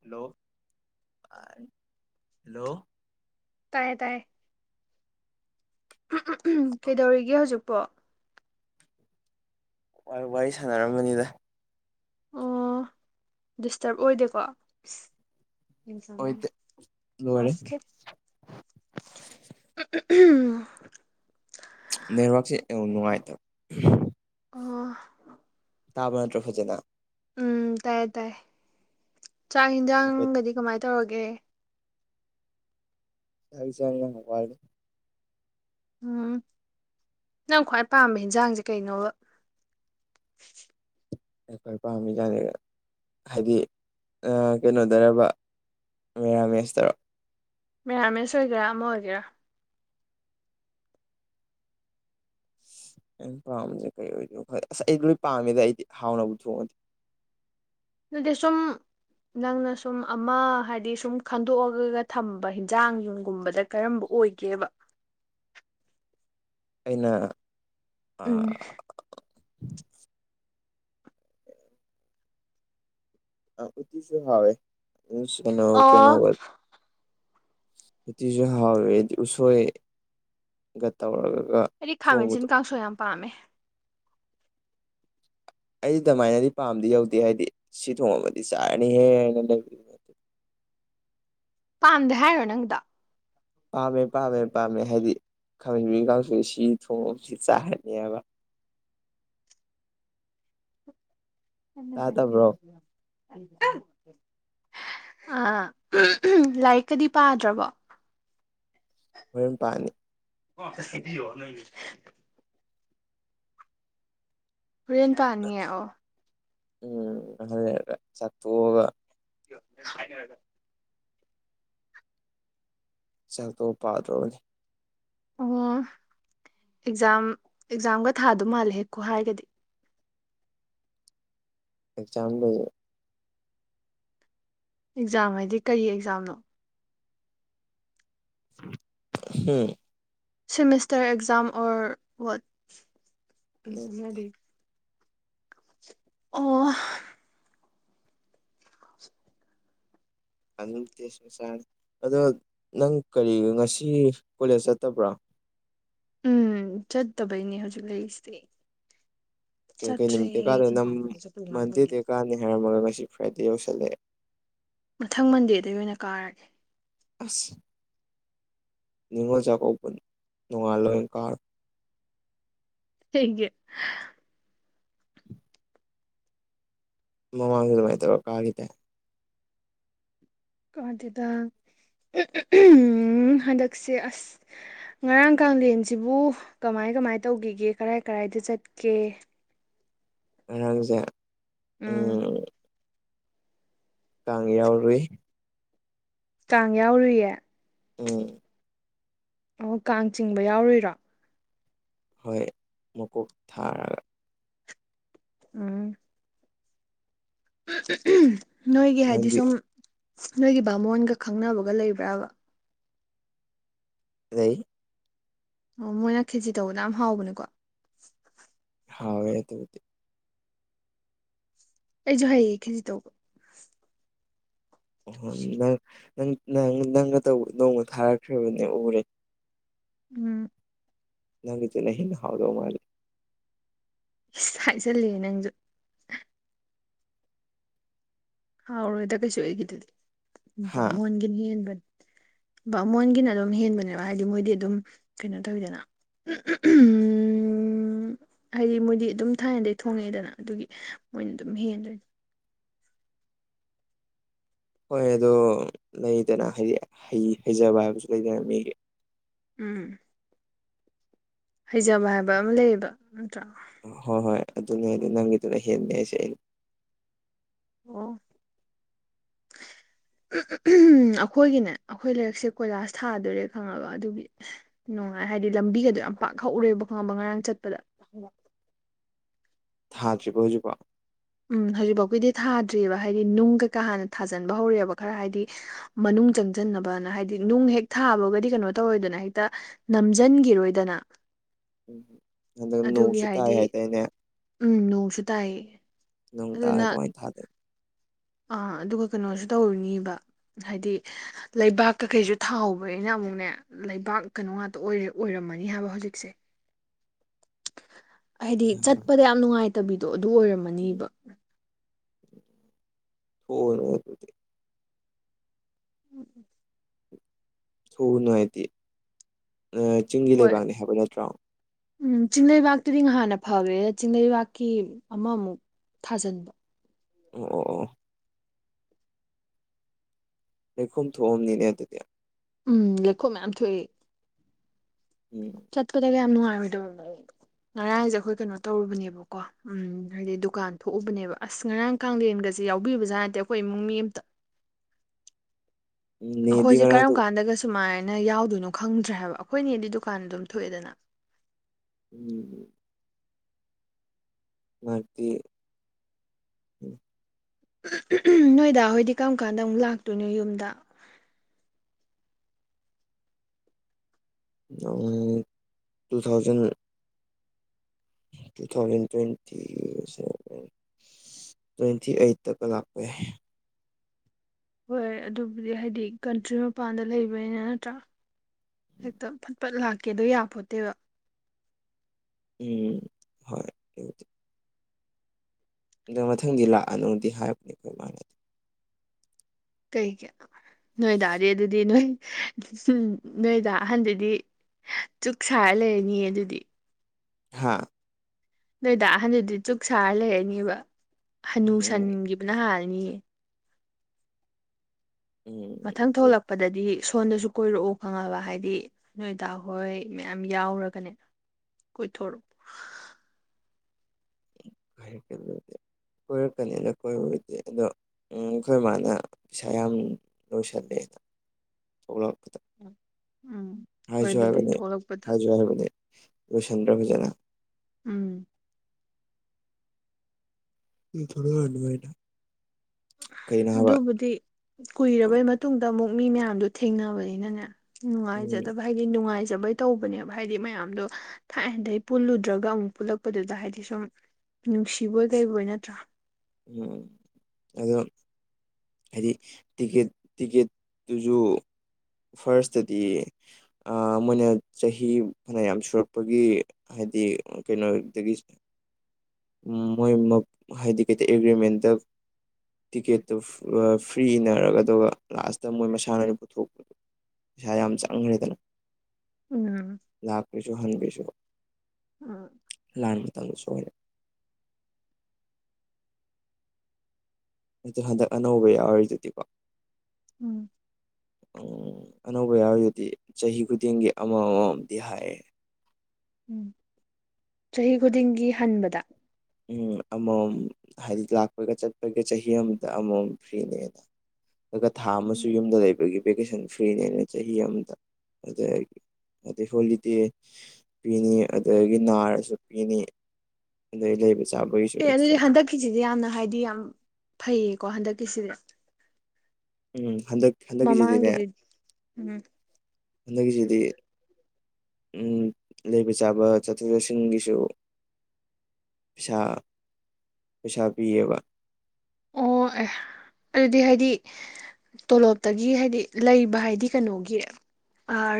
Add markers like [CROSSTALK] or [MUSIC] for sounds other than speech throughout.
hello hello ꯇꯥꯏꯌꯦ ꯇꯥꯏꯌꯦ ꯀꯩꯗꯧꯔꯤꯒꯦ ꯍꯧꯖꯤꯛꯄꯣ ꯋꯥꯔꯤ ꯁꯥꯟꯅꯔꯝꯕꯅꯤꯗ ꯑꯣ ꯗꯤꯁꯇꯔꯕ ꯑꯣꯏꯗꯦꯀꯣ ꯍꯣꯏꯗ ꯑ ꯂꯣꯏꯔꯦ ꯑꯁꯀꯦ ꯎ ꯅꯦꯠꯋꯔꯛꯁꯦ ꯌꯥꯝ ꯅꯨꯡꯉꯥꯏꯇꯕ ꯑꯣ ꯇꯥꯕ ꯅꯠꯇ꯭ꯔ ꯐꯖꯅ ꯎꯝ ꯇꯥꯏꯌꯦ ꯇꯥꯏꯌꯦ ꯆꯥꯛ ꯋꯥꯠꯂꯤ ꯌꯦꯟꯁꯥꯡꯒꯗꯤ ꯀꯃꯥꯏꯅ ꯇꯧꯔꯒꯦ ꯌꯥ ꯆ ꯋꯥ ꯎꯝ ꯅꯪ ꯈ꯭ꯋꯥꯏ ꯄꯥꯝꯕ ꯌꯦꯟꯖꯥꯡꯁꯦ ꯀꯩꯅꯣꯕ ꯑꯩꯈꯣꯏ ꯄꯥꯝꯃꯤꯖꯅꯤ ꯍꯥꯏꯗꯤ ꯀꯩꯅꯣꯗꯔꯕ ꯃꯤꯔꯥꯃꯦꯁꯇꯔ ꯃꯦꯔꯥꯃꯦꯁ ꯑꯣꯏꯒꯦꯔꯥ ꯑꯃ ꯑꯣꯏꯒꯦꯔꯥ ꯑ ꯄꯥꯝꯕꯁꯦ ꯀꯩ ꯑꯣꯏꯗꯣꯏꯣ ꯑꯁ ꯑꯩꯗꯤ ꯂꯣꯏ ꯄꯥꯝꯃꯤꯗ ꯑꯩꯗꯤ ꯍꯥꯎꯅꯕꯕꯨ ꯊꯣꯡꯉꯗꯤ ꯗꯁꯝ ꯅꯪꯅ ꯁꯨꯝ ꯑꯃ ꯍꯥꯏꯗꯤ ꯁꯨꯝ ꯈꯟꯗꯣꯛꯑꯒꯒ ꯊꯝꯕ ꯍꯟꯖꯥꯡ ꯌꯨꯝꯒꯨꯝꯕꯗ ꯀꯔꯝꯕ ꯑꯣꯏꯒꯦꯕ ꯑꯩꯅ ꯎꯝ ꯎꯤꯁꯨ ꯍꯦ ꯑꯣ ꯀꯅꯣ ꯎꯇꯤꯁꯨ ꯍꯥꯎꯋꯦ ꯍꯥꯏꯗꯤ ꯎꯁꯣꯏꯒ ꯇꯧꯔꯒꯒ ꯑꯩꯗꯤ ꯈꯥꯃꯦꯟꯁꯤꯟ ꯀꯥꯡꯁꯨ ꯌꯥꯝ ꯄꯥꯝꯃꯦ ꯑꯩꯗꯤ ꯑꯗꯨꯃꯥꯏꯅꯗꯤ ꯄꯥꯝꯗꯤ ꯌꯧꯗꯦ ꯍꯥꯏꯗꯤ ꯁꯤ ꯊꯣꯡꯉꯕꯗꯤ ꯆꯥꯔꯅꯤꯍꯦ ꯍꯥꯏꯅ ꯂꯩꯕ ꯄꯥꯝꯗꯦ ꯍꯥꯏꯌꯣ ꯅꯪꯗ ꯄꯥꯝꯃꯦ ꯄꯥꯝꯃꯦ ꯄꯥꯝꯃꯦ ꯍꯥꯏꯗꯤ ꯈꯥꯃꯟꯕꯤ ꯀꯥꯡꯁꯨ ꯁꯤ ꯊꯣꯡꯁꯤ ꯆꯥꯍꯅꯦꯕ [INAUDIBLE] ꯇꯥꯗꯕ꯭ꯔꯣ ꯑ ꯂꯥꯏꯔꯤꯛꯀꯗꯤ ꯄꯥꯗ꯭ꯔꯕꯣ ꯃꯌꯨꯝ ꯄꯥꯅꯤ [UNINTELLIGIBLE] ꯀꯦꯟ ꯄꯅꯤ ꯑꯣ ꯎꯝ ꯑꯍꯜ ꯆꯠꯇꯣꯛꯑꯒ ꯥꯏꯔꯒ ꯆꯥꯛꯇꯣ ꯄꯥꯗ꯭ꯔꯣꯕꯅꯤ ꯑꯣ ꯑꯦꯛꯖꯥꯝ ꯑꯦꯛꯖꯥꯝꯒ ꯊꯥꯗꯧ ꯃꯥꯜꯂꯦ ꯍꯦꯛꯀꯣ ꯍꯥꯏꯔꯒꯗꯤ ꯑꯦꯛꯖꯥꯝ ꯂꯩ ꯑꯦꯛꯖꯥꯝ ꯍꯥꯏꯗꯤ ꯀꯔꯤ ꯑꯦꯛꯖꯥꯝꯅꯣ ꯍꯝ ꯁꯤꯃꯦꯁꯇꯔ ꯑꯦꯛꯖꯝ ꯑꯣ ꯑꯣ ꯇꯦ ꯃꯆꯥ ꯑꯗꯣ ꯅꯪ ꯀꯔꯤ ꯉꯁꯤ ꯀꯣꯂꯦꯖ ꯆꯠꯇꯕ꯭ꯔꯣ ꯎꯝ ꯆꯠꯇꯕꯩꯅꯤ ꯍꯧꯖꯤꯛ ꯂꯩꯁꯦ ꯀꯩꯀꯩ ꯅꯨꯃꯤꯠꯇꯩ ꯀꯥꯗ ꯅꯝ ꯃꯟꯗꯦꯗꯒꯤ ꯀꯥꯅꯤ ꯍꯥꯏꯔꯝꯃꯒ ꯉꯁꯤ ꯐ꯭ꯔꯥꯏꯗꯦ ꯌꯧꯁꯜꯂꯛꯑꯦ ꯃꯊꯪ ꯃꯟꯗꯦꯗꯩ ꯑꯣꯏꯅ ꯀꯥꯔꯒꯦ ꯑꯁ ꯅꯤꯡꯉꯣꯟꯜ ꯆꯀꯧꯕ ꯅꯣꯅꯡꯉꯥꯂ ꯑꯣꯏ ꯀꯥ ꯇꯦꯡꯒꯦ ꯃꯃꯥꯡꯗ ꯑꯗꯨꯃꯥꯏꯅ ꯇꯧꯔꯒ ꯀꯥꯒꯤꯗꯦ ꯀꯥꯗꯦꯗ ꯍꯟꯗꯛꯁꯦ ꯑꯁ ꯉꯔꯥꯡ ꯀꯂꯦꯟꯁꯤꯕꯨ ꯀꯃꯥꯏ ꯀꯃꯥꯏ ꯇꯧꯈꯤꯒꯦ ꯀꯔꯥꯏ ꯀꯔꯥꯏꯗ ꯆꯠꯀꯦ ꯉꯔꯥꯡꯁꯦ ꯎ ꯎꯝ ꯀꯥꯡ ꯌꯥꯎꯔꯨꯏ ꯆꯥꯡ ꯌꯥꯎꯔꯨꯏꯌꯦ ꯎꯝ ꯑꯣ ꯀꯥꯡ ꯆꯤꯡꯕ ꯌꯥꯎꯔꯨꯏꯔꯣ ꯍꯣꯏ ꯃꯀꯣꯛ ꯊꯥꯔꯒ ꯎꯝ ꯅꯣꯏꯒꯤ ꯍꯥꯏꯗꯤ ꯅꯪꯗꯤ ꯁꯨꯝ ꯅꯣꯏꯒꯤ ꯕꯥꯃꯣꯟꯒ ꯈꯪꯅꯕꯒ ꯂꯩꯕ꯭ꯔꯥꯕ ꯂꯩ ꯑꯣ ꯃꯣꯏꯅ ꯈꯦꯖꯤ ꯇꯧꯕꯗꯣ ꯌꯥꯝ ꯍꯥꯎꯕꯅꯤꯀꯣ ꯍꯥꯎꯋꯦ ꯑꯗꯨꯕꯨꯗꯤ ꯑꯩꯁꯨ ꯍꯩꯌꯦ ꯈꯤꯖꯤ ꯇꯧꯕ ꯑꯣ ꯅꯪ ꯅꯪ ꯅꯪ ꯅꯪꯒ ꯅꯣꯡꯃ ꯊꯥꯔꯛꯈ꯭ꯔꯕꯅꯦ ꯎꯔꯦ ꯎꯝ ꯅꯪꯒꯤꯗꯨꯅ ꯍꯦꯟꯅ ꯍꯥꯎꯗꯧ ꯃꯥꯂꯦ ꯍꯥꯏꯖꯤꯜꯂꯦ ꯅꯪꯖꯨ ꯍꯥꯎꯔꯣꯏꯗ ꯀꯩꯁꯨ ꯑꯩꯒꯤꯗꯨꯗꯤ ꯍꯥ ꯕꯥꯃꯣꯟ ꯒꯤꯅ ꯍꯦꯟꯕꯅꯤ ꯕꯃꯣꯟꯒꯤꯅ ꯑꯗꯨꯝ ꯍꯦꯟꯕꯅꯦꯕ ꯍꯥꯏꯗꯤ ꯃꯣꯏꯗꯤ ꯑꯗꯨꯝ ꯀꯩꯅꯣ ꯇꯧꯋꯤꯗꯅ ꯎꯝ ꯎꯝ ꯍꯥꯏꯗꯤ ꯃꯣꯏꯗꯤ ꯑꯗꯨꯝ ꯊꯥꯏꯅꯗꯒꯤ ꯊꯣꯡꯉꯛꯑꯦꯗꯅ ꯑꯗꯨꯒꯤ ꯃꯣꯏꯅ ꯑꯗꯨꯝ ꯍꯦꯟꯗꯣꯏꯅꯤ ꯍꯣꯏ ꯑꯗꯣ ꯂꯩꯗꯅ ꯍꯥꯏꯗꯤ ꯍꯩꯖꯕ ꯍꯥꯏꯕꯁꯨ ꯂꯩꯗꯅ ꯃꯤꯒꯤ ꯎꯝ ꯍꯩꯖꯕ ꯍꯥꯏꯕ ꯑꯃ ꯂꯩꯌꯦꯕ ꯅꯠꯇ꯭ꯔꯥ ꯍꯣꯏ ꯍꯣꯏ ꯑꯗꯨꯅꯦ ꯅꯪꯒꯤꯗꯨꯅ ꯍꯦꯟꯅ ꯍꯥꯏꯁꯦ ꯑꯩ ꯑꯣ ꯑꯩꯈꯣꯏꯒꯤꯅꯦ ꯑꯩꯈꯣꯏ ꯂꯥꯏꯔꯤꯛꯁꯦ ꯀꯣꯏꯂꯥꯁ ꯊꯥꯗꯣꯔꯦ ꯈꯪꯉꯕ ꯑꯗꯨꯒꯤ ꯅꯨꯡꯉꯥꯏ ꯍꯥꯏꯗꯤ ꯂꯝꯕꯤꯒꯗꯣ ꯌꯥꯝ ꯄꯥꯛ ꯍꯛꯎꯔꯦꯕ ꯈꯪꯉꯕ ꯉꯔꯥꯡ ꯆꯠꯄꯗ ꯊꯥꯗ꯭ꯔꯤꯕꯣ ꯍꯧꯖꯤꯛꯐꯥꯎ ꯎꯝ ꯍꯧꯖꯤꯛꯐꯥꯎꯒꯤꯗꯤ ꯊꯥꯗ꯭ꯔꯤꯑꯕ ꯍꯥꯏꯗꯤ ꯅꯨꯡꯒ ꯀꯥ ꯀ ꯍꯥꯟꯅ ꯊꯥꯖꯟꯕ ꯍꯧꯔꯦꯑꯦꯕ ꯈꯔ ꯍꯥꯏꯗꯤ ꯃꯅꯨꯡ ꯆꯪꯁꯤꯟꯅꯕꯅ ꯍꯥꯏꯗꯤ ꯅꯨꯡ ꯍꯦꯛ ꯊꯥꯕꯒꯗꯤ ꯀꯩꯅꯣ ꯇꯧꯔꯦꯗꯅ ꯍꯦꯛꯇ ꯅꯝꯖꯟꯈꯤꯔꯣꯏꯗꯅ ꯎꯝ ꯑꯗꯨ ꯑꯗꯨꯒꯤ ꯅꯣꯡꯁꯨ ꯇꯥꯏ ꯍꯥꯏꯗꯤ ꯍꯥꯏꯗꯥꯏꯅꯦ ꯎꯝ ꯅꯣꯡꯁꯨ ꯇꯥꯏ ꯅꯣꯡ ꯇꯔ ꯑꯗꯨꯅ ꯀꯃꯥꯏ ꯊꯥꯗꯣꯏꯅꯣ ꯑꯥ ꯑꯗꯨꯒ ꯀꯩꯅꯣꯁꯨ ꯇꯧꯔꯅꯤꯕ ꯍꯥꯏꯗꯤ ꯂꯩꯕꯥꯛꯀꯩꯀꯩꯁꯨ ꯊꯥꯍꯧꯕꯅꯤꯅꯥ ꯑꯃꯨꯛꯅꯦ ꯂꯩꯕꯥꯛ ꯀꯩꯅꯣ ꯉꯥꯛꯇ ꯑꯣꯏꯔꯦ ꯑꯣꯏꯔꯝꯃꯅꯤ ꯍꯥꯏꯕ ꯍꯧꯖꯤꯛꯁꯦ ꯍꯥꯏꯗꯤ ꯆꯠꯄꯗ ꯌꯥꯝ ꯅꯨꯡꯉꯥꯏꯇꯕꯤꯗꯣ ꯑꯗꯨ ꯑꯣꯏꯔꯝꯃꯅꯤꯕ ꯑꯣꯏꯔꯣꯏ ꯑꯗꯨꯗꯤ ꯎꯝ ꯎꯝ ꯁꯨꯕ ꯅꯨꯡꯉꯥꯏꯇꯤ ꯆꯤꯡꯒꯤ ꯍꯣꯏ ꯂꯩꯕꯥꯛꯅꯤ ꯍꯥꯏꯕ ꯅꯠꯇ꯭ꯔꯣ ꯎꯝ ꯆꯤꯡ ꯂꯩꯩꯕꯥꯛꯇꯨꯗꯤ ꯉꯍꯥꯟꯅ ꯐꯈ꯭ꯔꯦ ꯆꯤꯡꯂꯩꯕꯥꯛꯀꯤ ꯑꯃꯃꯨꯛ ꯊꯥꯖꯤꯟꯕ ꯑꯣ ꯑꯣ ꯂꯩꯈꯣꯝ ꯊꯣꯛꯑꯝꯅꯤꯅꯦ ꯑꯗꯨꯗꯤ ꯎꯝ ꯂꯩꯈꯣꯝ ꯃꯌꯥꯝ ꯊꯣꯛ ꯑ ꯎꯝ ꯆꯠꯄꯗꯒ ꯌꯥꯝ ꯅꯨꯡꯉꯥꯏꯔꯣꯏꯗꯕ ꯉꯔꯥꯡ ꯁꯦ ꯑꯩꯈꯣꯏ ꯀꯩꯅꯣ ꯇꯧꯔꯨꯕꯅꯦꯕꯀꯣ ꯎꯝ ꯍꯥꯏꯗꯤ ꯗꯨꯀꯥꯟ ꯊꯣꯛꯎꯕꯅꯦꯕ ꯑꯁ ꯉꯔꯥꯡ ꯀꯂꯦꯟꯒꯁꯦ ꯌꯥꯎꯕꯤꯕꯖꯥ ꯅꯠꯇꯦ ꯑꯩꯈꯣꯏ ꯏꯃꯨꯡ ꯃꯤ ꯑꯃꯇ ꯅꯦꯗꯤ ꯑꯩꯈꯣꯏꯁꯦ ꯀꯔꯝ ꯉꯔꯥꯡꯗꯨ ꯀꯥꯟꯗꯒ ꯁꯨꯃꯥꯏꯅ ꯌꯥꯎꯗꯣꯏꯅꯣ ꯈꯪꯗ꯭ꯔꯦ ꯍꯥꯏꯕ ꯑꯩꯈꯣꯏꯅꯦꯗꯤ ꯗꯨꯀꯥꯟꯗ ꯑꯗꯨꯝ ꯊꯣꯛꯑꯦꯗꯅ ꯎꯝ ꯃꯥꯒꯤ ꯅꯣꯏ ꯗꯥ ꯍꯣꯏꯗꯤ ꯀꯔꯝ ꯀꯥꯟꯗ ꯑꯃꯨꯛ ꯂꯥꯛꯇꯣꯏꯅꯣ ꯌꯨꯝꯗ two thousand two thousand twenty ꯁ꯭ꯋꯥꯏ ꯇ꯭ꯋꯦꯟꯇꯤ ꯑꯩꯠ ꯇꯀ ꯂꯥꯛꯄ ꯌꯥꯏ ꯍꯣꯏ ꯑꯗꯨꯕꯨꯗꯤ ꯍꯥꯏꯗꯤ ꯀꯟꯇ꯭ꯔꯤ ꯃꯄꯥꯟꯗ ꯂꯩꯕꯅꯤꯅ ꯅꯠꯇ꯭ꯔꯥ ꯍꯦꯛꯇ ꯄꯠ ꯂꯥꯛꯀꯦꯗꯣ ꯌꯥꯄꯣꯠꯇꯦꯕ ꯎꯝ ꯍꯣꯏ ꯑꯗꯨꯕꯨꯗꯤ ꯃꯊꯪꯗꯤ ꯂꯥꯛꯑꯅꯤꯗꯤ ꯍꯥꯏꯕꯅꯤ ꯑꯩꯈꯣꯏ ꯃꯥꯥꯟꯅꯗꯦ ꯀꯩꯒꯤ ꯅꯣꯏꯗꯥꯗꯤ ꯑꯗꯨꯗꯤ ꯅꯣꯏ ꯅꯣꯏ ꯗꯥ ꯑꯍꯟꯗꯨꯗꯤ ꯆꯨꯛ ꯁꯥꯔ ꯂꯩꯔꯅꯤꯌꯦ ꯑꯗꯨꯗꯤ ꯍꯥꯥ ꯅꯣꯏ ꯗꯥ ꯑꯍꯟꯗꯗꯤ ꯆꯨꯨꯛ ꯁꯥꯔ ꯂꯩꯔꯅꯤꯕ ꯍꯅꯨ ꯎꯝ ꯁꯟꯒꯤꯕꯅꯥ ꯍꯜꯂꯥꯅꯤ ꯎꯝ ꯃꯊꯪ ꯊꯣꯛꯂꯛꯄꯗꯗꯤ ꯁꯣꯟꯗꯁꯨ ꯀꯣꯏꯔꯛꯎ ꯈꯪꯉꯕ ꯍꯥꯏꯗꯤ ꯅꯣꯏꯗꯥ ꯍꯣꯏ ꯃꯌꯥꯝ ꯌꯥꯎꯔꯒꯅꯦ ꯀꯣꯏꯊꯣꯔꯛꯑꯣ ꯀꯣꯏꯔꯛꯀꯅꯤꯅ ꯀꯣꯏꯕꯗꯤ ꯑꯗꯣ ꯎ ꯑꯩꯈꯣꯏ ꯃꯥꯅ ꯄꯩꯁꯥ ꯌꯥꯝ ꯂꯣꯏꯁꯜꯂꯦꯅ ꯊꯣꯛꯂꯛꯄꯗ ꯎꯝ ꯍꯣꯏ ꯍꯥꯏꯖꯨ ꯑꯗꯨꯕꯨꯗꯤ ꯍꯥꯏꯕꯅꯤ ꯊꯣꯛꯂꯛꯄꯗ ꯍꯥꯏꯖꯨ ꯍꯥꯏꯕꯅꯤ ꯂꯣꯏꯁꯟꯗꯔ ꯐꯖꯅ ꯎꯝ ꯊꯣꯔꯛꯑꯅꯨ ꯍꯥꯏꯅ ꯑꯗꯨꯕꯨꯗꯤ ꯀꯨꯏꯔꯕꯩ ꯃꯇꯨꯡꯗ ꯑꯃꯨꯛ ꯃꯤ ꯃꯌꯥꯝꯗꯨ ꯊꯦꯡꯅꯕꯅꯤꯅꯅꯦ ꯎꯝ ꯅꯨꯡꯉꯥꯏꯖꯗꯕ ꯍꯥꯏꯗꯤ ꯅꯨꯡꯉꯥꯏꯖꯕꯩ ꯇꯧꯕꯅꯦꯕ ꯍꯥꯏꯗꯤ ꯃꯌꯥꯝꯗꯣ ꯊꯥꯏꯅꯗꯩ ꯄꯨꯜꯂꯨꯗ꯭ꯔꯒ ꯑꯃꯨꯛ ꯄꯨꯜꯂꯛꯄꯗꯨꯗ ꯍꯥꯏꯗꯤ ꯁꯨꯝ ꯅꯨꯡꯁꯤꯕꯣꯏ ꯀꯩꯕꯣꯏ ꯅꯠꯇ꯭ꯔꯥ ꯎꯝ ꯑꯗꯨ ꯍꯥꯏꯗꯤ ꯇꯤꯀꯦꯠ ꯇꯤꯛꯀꯦꯠꯇꯨꯁꯨ ꯐꯥꯔꯁꯇꯗꯤ ꯑ ꯃꯣꯏꯅ ꯆꯍꯤ ꯃꯌꯥꯝ ꯁꯨꯔꯛꯄꯒꯤ ꯍꯥꯏꯗꯤ ꯀꯩꯅꯣꯗꯒꯤꯁ ꯃꯣꯏꯃꯞ ꯍꯥꯏꯗꯤ ꯀꯩꯇ ꯑꯦꯒ꯭ꯔꯤꯃꯦꯟꯇ ꯇꯤꯀꯦꯠꯇꯨ ꯐ꯭ꯔꯤ ꯏꯅꯔꯒ ꯑꯗꯨꯒ ꯂꯥꯁꯇ ꯃꯣꯏ ꯃꯁꯥꯟꯅꯗꯤ ꯄꯨꯊꯣꯛꯄ ꯄꯩꯁꯥ ꯌꯥꯝ ꯆꯪꯈ꯭ꯔꯦꯗꯅ ꯎꯝ ꯂꯥꯛꯄꯤ꯭ꯁꯨ ꯍꯟꯕꯤꯁꯨ ꯂꯥꯟꯕꯨ ꯇꯥꯡꯁꯨ ꯑꯣꯏꯔꯦ ꯑꯗꯨ ꯍꯟꯗꯛ ꯑꯅꯧꯕ ꯌꯥꯎꯔꯤꯗꯨꯗꯤꯀꯣ ꯎꯝ ꯎꯝ ꯑꯅꯧꯕ ꯌꯥꯎꯔꯤꯗꯨꯗꯤ ꯆꯍꯤ ꯈꯨꯗꯤꯡꯒꯤ ꯑꯃ ꯑꯃ ꯑꯝꯗꯤ ꯍꯥꯏꯌꯦ ꯎꯝ ꯆꯍꯤ ꯈꯨꯗꯤꯡꯒꯤ ꯍꯟꯕꯗ ꯎꯝ ꯑꯃꯃꯝ ꯍꯥꯏꯗꯤ ꯂꯥꯛꯄꯒ ꯆꯠꯄꯒ ꯆꯍꯤ ꯑꯃꯗ ꯑꯃꯃꯝ ꯐ꯭ꯔꯤꯅꯦꯅ ꯑꯗꯨꯒ ꯊꯥ ꯑꯃꯁꯨ ꯎꯝ ꯌꯨꯝꯗ ꯂꯩꯕꯒꯤ ꯚꯦꯀꯦꯁꯟ ꯐ꯭ꯔꯤꯅꯦ ꯑꯅ ꯆꯍꯤ ꯑꯃꯗ ꯑꯗꯨꯗꯒꯤ ꯑꯗꯩ ꯍꯣꯂꯤꯗꯦ ꯄꯤꯅꯤ ꯑꯗꯒꯤ ꯅꯥꯔꯁꯨ ꯄꯤꯅꯤ ꯂꯩ ꯂꯩ ꯑꯦ ꯑꯗꯨꯗꯤ ꯍꯟꯗꯛꯀꯤꯁꯤꯗꯤ ꯌꯥꯝꯅ ꯍꯥꯏꯗꯤ ꯌꯥꯝ ꯐꯩꯌꯦꯀꯣ ꯍꯟꯗꯛꯀꯤꯁꯤꯗꯤ ꯎꯝ ꯍꯟꯗꯛ ꯍꯟꯗꯛꯀꯤꯁꯤꯗꯤꯅꯦ ꯃꯃꯥꯡꯒꯤꯗꯨꯗꯤ ꯎꯝ ꯍꯟꯗꯛꯀꯤꯁꯤꯗꯤ ꯂꯩꯕ ꯆꯥꯕ ꯆꯠꯊꯣꯛ ꯆꯠꯁꯤꯟꯒꯤꯁꯨ ꯄꯩꯁꯥ ꯄꯩꯁꯥ ꯄꯤꯌꯦꯕ ꯑꯣ ꯑꯦ ꯑꯗꯨꯗꯤ ꯍꯥꯏꯗꯤ ꯇꯣꯂꯣꯞꯇꯒꯤ ꯍꯥꯏꯗꯤ ꯂꯩꯕ ꯍꯥꯏꯗꯤ ꯀꯩꯅꯣꯒꯤ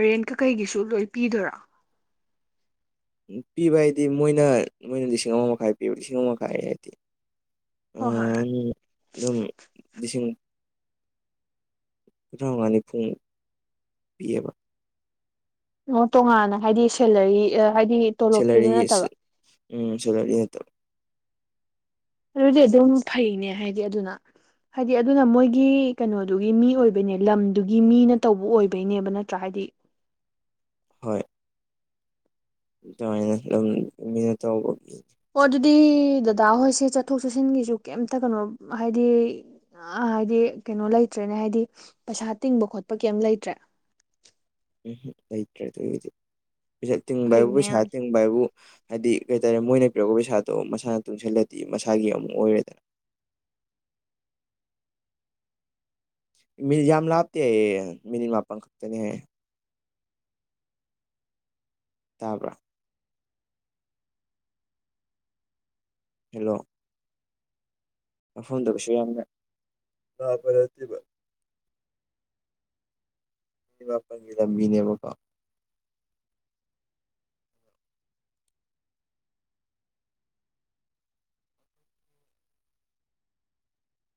ꯔꯦꯟꯠꯀ ꯀꯩꯒꯤꯁꯨ ꯂꯣꯏ ꯄꯤꯗꯣꯏꯔꯥ ꯄꯤꯕ ꯍꯥꯏꯗꯤ ꯃꯣꯏꯅ ꯃꯣꯏꯅ ꯂꯤꯁꯤꯡ ꯑꯃ ꯃꯈꯥꯏ ꯄꯤꯕ ꯂꯤꯁꯤꯡ ꯑꯃ ꯃꯈꯥꯏ ꯍꯥꯏꯗꯤ ꯍꯣꯏ ꯍꯣꯏ ꯍꯣꯏ ꯑꯗꯨꯝ ꯂꯤꯁꯤꯡ ꯊꯉꯅꯤ ꯐꯨꯡ ꯄꯤꯌꯦꯕ ꯑꯣ ꯇꯣꯉꯥꯟꯅ ꯍꯥꯏꯗꯤ ꯁꯦꯂꯔꯤ ꯍꯥꯏꯗꯤ ꯇꯣꯂꯣꯞꯇꯨꯗ ꯁꯦꯂꯔꯤꯒꯤ ꯅꯠꯇꯕ ꯎꯝ ꯁꯦꯂꯔꯤ ꯅꯠꯇꯕ ꯑꯗꯨꯗꯤ ꯑꯗꯨꯝ ꯐꯩꯅꯦ ꯍꯥꯏꯗꯤ ꯑꯗꯨꯅ ꯍꯥꯏꯗꯤ ꯑꯗꯨꯅ ꯃꯣꯏꯒꯤ ꯀꯩꯅꯣꯗꯨꯒꯤ ꯃꯤ ꯑꯣꯏꯕꯩꯅꯦ ꯂꯝꯗꯨꯒꯤ ꯃꯤꯅ ꯇꯧꯕ ꯑꯣꯏꯕꯩꯅꯦꯕ ꯅꯠꯇ꯭ꯔꯥ ꯍꯥꯏꯗꯤ ꯍꯣꯏ ꯑꯗꯨꯃꯥꯏꯅ ꯑꯗꯨꯝ ꯃꯤꯅ ꯇꯧꯕ ꯑꯣ ꯑꯗꯨꯗꯤ ꯗꯗꯥ ꯍꯣꯏꯁꯦ ꯆꯠꯊꯣꯛ ꯆꯠꯁꯤꯟꯒꯤꯁꯨ ꯀꯩꯝꯇ ꯀꯩꯅꯣ ꯍꯥꯏꯗꯤ ꯑ ꯍꯥꯏꯗꯤ ꯀꯩꯅꯣ ꯂꯩꯇ꯭ꯔꯦꯅꯦ ꯍꯥꯏꯗꯤ ꯄꯩꯁꯥ ꯇꯤꯡꯕ ꯈꯣꯠꯄ ꯀꯩꯝ ꯂꯩꯇ꯭ꯔꯦ ꯎꯝ ꯂꯩꯇ꯭ꯔꯦ ꯑꯗꯨꯒꯤꯗꯤ ꯄꯩꯁ ꯇꯤꯡꯕ ꯍꯥꯏꯕꯨ ꯐꯩꯅꯦ ꯌꯥꯝ ꯄꯩꯁꯥ ꯇꯤꯡꯕ ꯍꯥꯏꯕꯨ ꯍꯥꯏꯗꯤ ꯀꯩꯇꯥꯔꯦ ꯃꯣꯏꯅ ꯄꯤꯔꯛꯄ ꯄꯩꯁꯥꯗꯣ ꯃꯁꯥꯅ ꯇꯨꯡꯁꯤꯜꯂꯗꯤ ꯃꯁꯥꯒꯤ ꯑꯃꯨꯛ ꯑꯣꯏꯔꯦꯗꯅ ꯃꯤꯜ ꯌꯥꯝ ꯂꯥꯞꯇꯦ ꯑꯩꯌꯦ ꯃꯤꯅꯤꯠ ꯃꯥꯄꯜ ꯈꯛꯇꯅꯦ ꯇꯥꯕ꯭ꯔꯥ ꯍꯜꯂꯣ ꯃꯐꯝꯗꯕꯨꯁꯨ ꯌꯥꯝꯅ ꯂꯥꯕ ꯅꯠꯇꯦꯕ ꯃꯥꯄꯒꯤ ꯂꯝꯕꯤꯅꯦꯕꯀꯣ